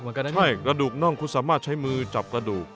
ไม่กระดูกน่องคุณสามารถใช้มือจับกระดูก